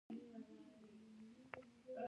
پر هماغه ځای اوس یو کوچنی محراب جوړ دی.